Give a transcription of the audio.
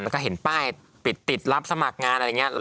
แล้วก็เห็นป้ายปิดติดรับสมัครงานอะไรอย่างนี้